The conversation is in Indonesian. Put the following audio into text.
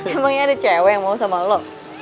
emangnya ada cewek yang mau sama lo